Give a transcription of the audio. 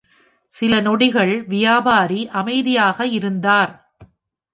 சில நொடிகள் வியாபாரி அமைதியாக இருந்தார்.